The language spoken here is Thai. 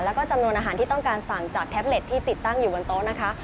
แล้วก็จำนวนอาหารที่ต้องการสั่งจากแท็บเล็ตที่ติดตั้งอยู่บนโต๊ะนะคะ